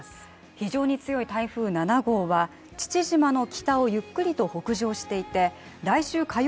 非常に強い台風７号は父島の北をゆっくりと北上していて来週火曜